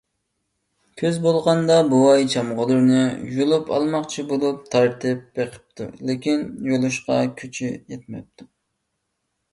كۈز بولغاندا، بوۋاي چامغۇرلىرىنى يۇلۇپ ئالماقچى بولۇپ تارتىپ بېقىپتۇ، لېكىن يۇلۇشقا كۈچى يەتمەپتۇ.